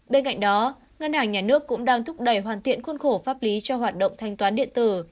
bên cạnh đó ngân hàng nhà nước cũng đang thúc đẩy hoàn thiện khuôn khổ pháp lý cho hoạt động thanh toán điện tử